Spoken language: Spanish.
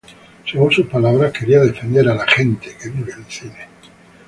Según sus palabras, quería ""defender a la gente que vive del cine"".